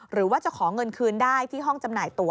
หรือว่าจะขอเงินคืนได้ที่ห้องจำหน่ายตัว